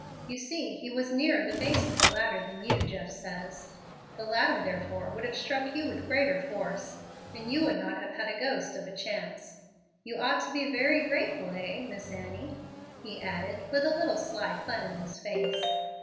You see he was nearer the base of the ladder than you, Jeff says. The ladder therefore would have struck you with greater force, and you would not have had a ghost of a chance. You ought to be very grateful, eh, Miss Annie?" he added, with a little sly fun in his face.